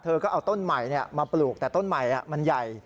เธอก็เอาต้นใหม่มาปลูกแต่ต้นใหม่มันใหญ่